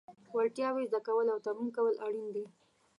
وړتیاوې زده کول او تمرین کول اړین دي.